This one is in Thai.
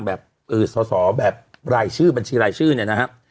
แบบสอสอแบบรายชื่อบัญชีรายชื่อเนี่ยนะครับ